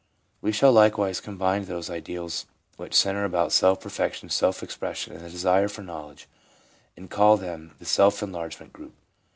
We shall likewise combine those ideals which centre about self perfection, self expression and the desire for knowledge, and call them the self enlargement group.